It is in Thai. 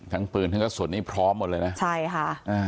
ทั้งปืนทั้งกระสุนนี้พร้อมหมดเลยนะใช่ค่ะอ่า